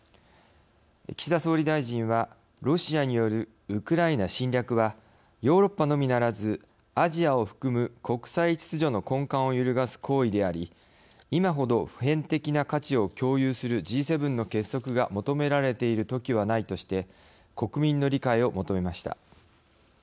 岸田総理大臣はロシアによるウクライナ侵略はヨーロッパのみならずアジアを含む国際秩序の根幹をゆるがす行為であり今ほど普遍的な価値を共有するＧ７の結束が求められているときはないとして国民の理解を求めました。